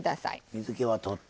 水けはとって。